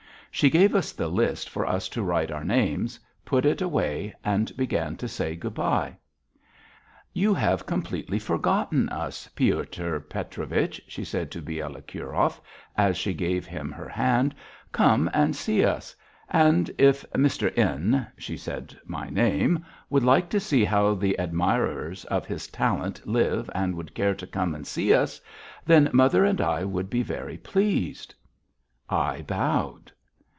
She gave us the list for us to write our names, put it away, and began to say good bye. "You have completely forgotten us, Piotr Petrovich," she said to Bielokurov, as she gave him her hand. "Come and see us, and if Mr. N. (she said my name) would like to see how the admirers of his talent live and would care to come and see us, then mother and I would be very pleased." I bowed.